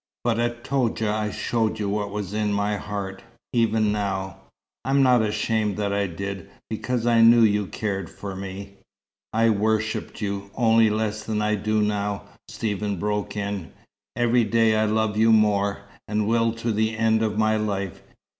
But at Toudja I showed you what was in my heart even now I'm not ashamed that I did, because I knew you cared for me." "I worshipped you, only less than I do now," Stephen broke in. "Every day I love you more and will to the end of my life.